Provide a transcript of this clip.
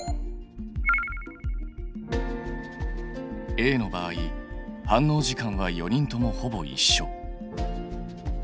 Ａの場合反応時間は４人ともほぼいっしょ。